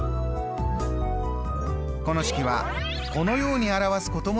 この式はこのように表すこともできます。